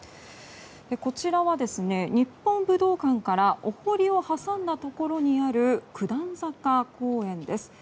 こちらは、日本武道館からお濠を挟んだところにある九段坂公園です。